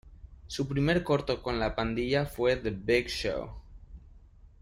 Su primer corto con "La Pandilla" fue "The Big Show".